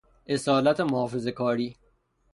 اصالت محافظه کاری